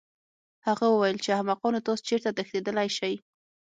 هغه وویل چې احمقانو تاسو چېرته تښتېدلی شئ